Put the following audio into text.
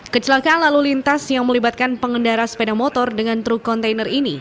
kecelakaan lalu lintas yang melibatkan pengendara sepeda motor dengan truk kontainer ini